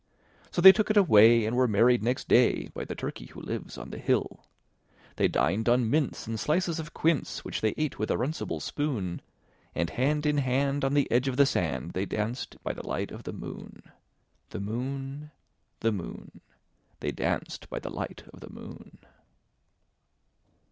So they took it away, and were married next day By the Turkey who lives on the hill. They dined on mince and slices of quince, Which they ate with a runcible spoon; And hand in hand, on the edge of the sand, They danced by the light of the moon, The moon, The moon, They danced by the light of the moon.